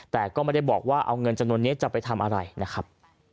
แต่ก็ไม่ได้บอกว่าเอาเงินจำนวนนี้จะไปทำอะไรนะครับ